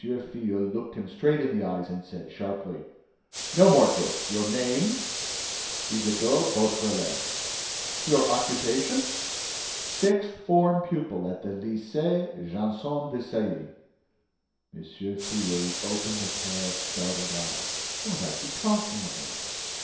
Filleul looked him straight in the eyes and said, sharply: "No more jokes! Your name?" "Isidore Beautrelet." "Your occupation?" "Sixth form pupil at the Lycée Janson de Sailly." M. Filleul opened a pair of startled eyes. "What are you talking about?